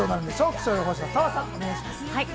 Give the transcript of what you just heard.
気象予報士の澤さん、お願いします。